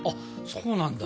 そうなんだ。